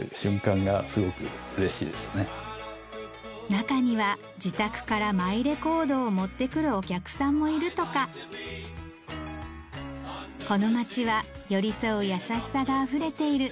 中には自宅からマイレコードを持って来るお客さんもいるとかこの街は寄り添う優しさがあふれている